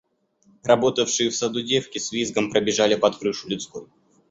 Работавшие в саду девки с визгом пробежали под крышу людской.